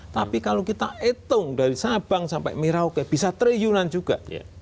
tapi kalau kita hitung dari sabang sampai merauke bisa triliunan juga